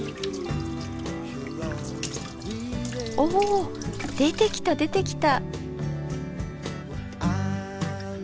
お出てきた出てきた。